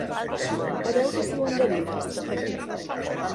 A veure si ho endevines?